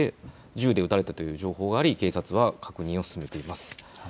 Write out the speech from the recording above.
銃で撃たれたという情報があり警察は確認を進めています。